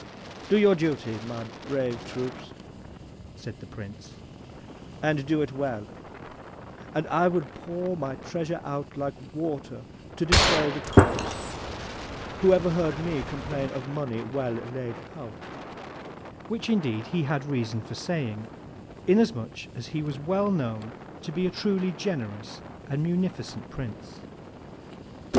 Do your duty by my brave troops,' said the Prince, 'and do it well, and I will pour my treasure out like water, to defray the cost. Who ever heard ME complain of money well laid out!' Which indeed he had reason for saying, inasmuch as he was well known to be a truly generous and munificent Prince.